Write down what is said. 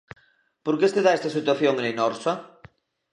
¿Por que se dá esta situación en Linorsa?